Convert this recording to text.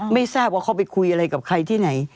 ไม่ทราบว่าเขาไปคุยอะไรกับใครที่ไหน